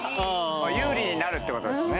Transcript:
有利になるってことですね